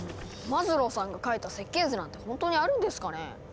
マズローさんが描いた設計図なんてほんとにあるんですかね？